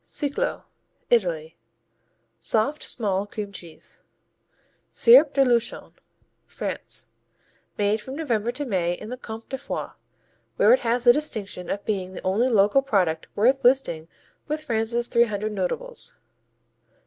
Ciclo Italy Soft, small cream cheese. Cierp de Luchon France Made from November to May in the Comté de Foix, where it has the distinction of being the only local product worth listing with France's three hundred notables.